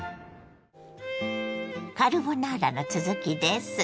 カルボナーラの続きです。